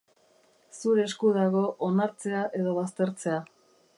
Zure esku dago onartzea edo baztertzea.